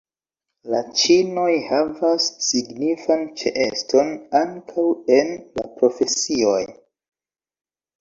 La ĉinoj havas signifan ĉeeston ankaŭ en la profesioj.